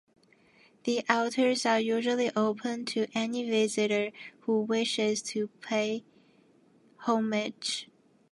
The altars are usually open to any visitor who wishes to pay homage.